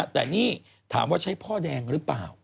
แต่นี่ถามว่าใช้พ่อแดงหรือเปล่า